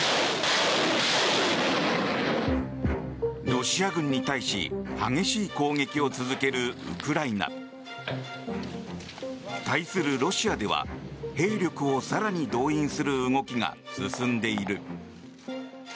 ロシア軍に対し激しい攻撃を続けるウクライナ。対するロシアでは兵力を更に動員する動きが進んでいる。